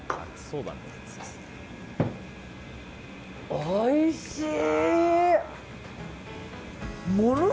おいしい！